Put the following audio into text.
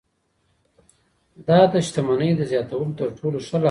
دا د شتمنۍ د زیاتولو تر ټولو ښه لار ده.